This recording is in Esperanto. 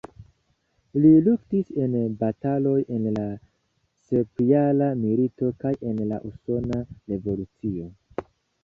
Li luktis en bataloj en la Sepjara milito kaj en la Usona revolucio.